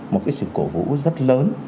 một sự cổ vũ rất lớn